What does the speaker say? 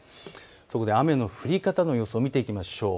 そこで雨の降り方の予想を見ていきましょう。